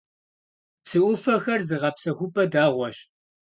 Псы Ӏуфэхэр зыгъэпсэхупӀэ дэгъуэщ.